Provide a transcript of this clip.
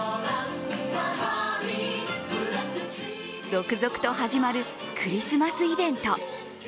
続々と始まるクリスマスイベント。